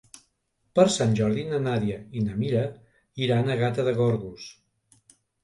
Per Sant Jordi na Nàdia i na Mira iran a Gata de Gorgos.